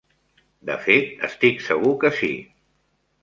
De fet, estic segur que sí.